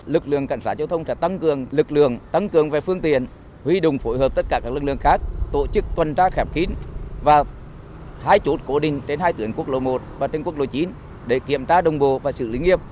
lực lượng cảnh sát giao thông sẽ tăng cường lực lượng tăng cường về phương tiện huy đồng phối hợp tất cả các lực lượng khác tổ chức tuần tra khép kín và hai chốt cố định trên hai tuyển quốc lộ một và trên quốc lộ chín để kiểm tra đồng bộ và xử lý nghiêm